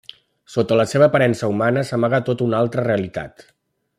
Sota la seva aparença humana s'amaga tota una altra realitat.